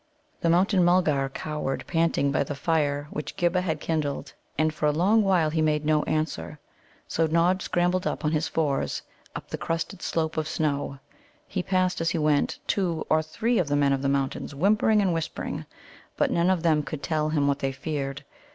The Mountain mulgar cowered panting by the fire which Ghibba had kindled. And for a long while he made no answer. So Nod scrambled on his fours up the crusted slope of snow. He passed, as he went, two or three of the Men of the Mountains whimpering and whispering. But none of them could tell him what they feared.